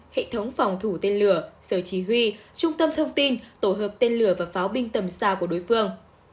hệ thống phòng thủ tên lửa sở chỉ huy trung tâm thông tin tổ hợp tên lửa và pháo binh tầm xa của đối phương